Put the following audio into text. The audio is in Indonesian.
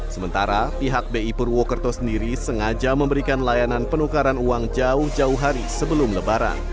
sementara pihak bi purwokerto sendiri sengaja memberikan layanan penukaran uang jauh jauh hari sebelum lebaran